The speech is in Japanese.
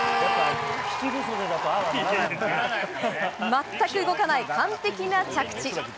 全く動かない完璧な着地。